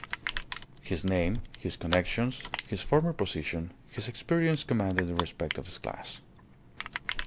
His name, his connections, his former position, his experience commanded the respect of his class.